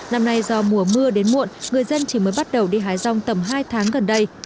năm nay do mùa mưa đến muộn người dân chỉ mới bắt đầu đi hái rong tầm hai tháng gần đây